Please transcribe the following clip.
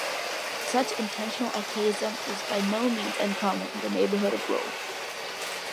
Such intentional archaism is by no means uncommon in the neighborhood of Rome.